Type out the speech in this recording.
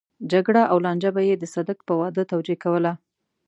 جګړه او لانجه به يې د صدک په واده توجيه کوله.